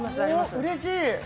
うれしい！